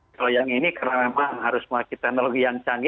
kalau yang ini karena memang harus memiliki teknologi yang canggih